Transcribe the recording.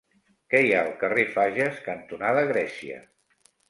Què hi ha al carrer Fages cantonada Grècia?